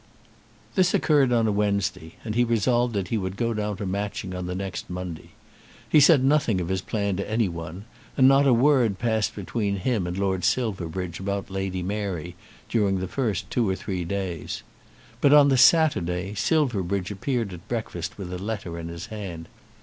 This occurred on a Wednesday, and he resolved that he would go down to Matching on the next Monday. He said nothing of his plan to any one, and not a word passed between him and Lord Silverbridge about Lady Mary during the first two or three days. But on the Saturday Silverbridge appeared at breakfast with a letter in his hand.